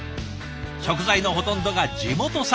食材のほとんどが地元産。